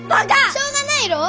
しょうがないろう！